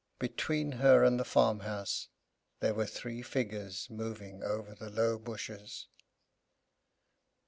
Between her and the farmhouse there were three figures moving over the low bushes.